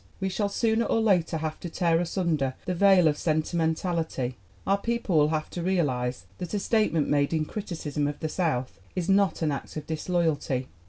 We shall sooner or later have to tear asunder that veil of sentimentality. Our people will have to realize that a statement made in criticism of the South is not an act of disloyalty.